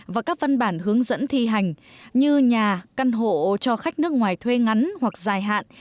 và các văn bản hướng dẫn thi hành như nhà căn hộ cho khách nước ngoài thuê ngắn hoặc dài hạn